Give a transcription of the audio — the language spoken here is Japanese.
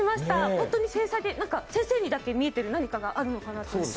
本当に繊細で先生にだけ見えてる何かがあるのかなと。